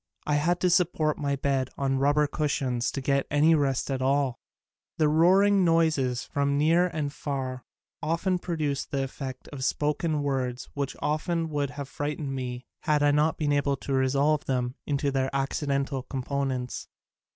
I had to support my bed on rubber cushions to get any rest at all. The roaring noises from near and far often produced the effect of spoken words which would have frightened me had I not been able to resolve them into their accidental components.